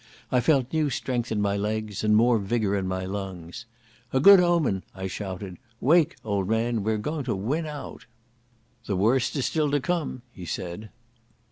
I felt new strength in my legs and more vigour in my lungs. "A good omen," I shouted. "Wake, old man, we're going to win out." "The worst is still to come," he said.